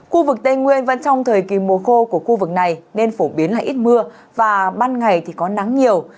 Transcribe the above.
khu vực tây nguyên vẫn trong thời kỳ mùa khô của khu vực này nên phổ biến là ít mưa và ban ngày thì có nắng nhiều